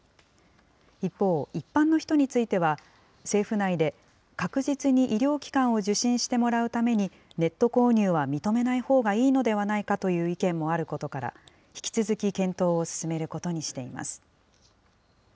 一方、一般の人については、政府内で確実に医療機関を受診してもらうために、ネット購入は認めないほうがいいのではないかという意見もあることから、引き続き検討を進めることにしています。